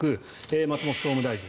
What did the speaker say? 松本総務大臣。